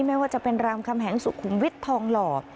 ไม่ว่าจะเป็นรามคำแหงสุขุมวิทย์ทองหล่อ